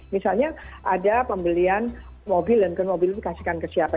misalnya ada pembelian mobil mungkin mobil itu dikasihkan ke siapa